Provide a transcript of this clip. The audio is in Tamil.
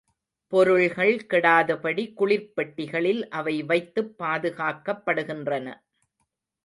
பொருள்கள் கெடாதபடி குளிர்ப் பெட்டிகளில் அவை வைத்துப் பாதுகாக்கப்படுகின்றன.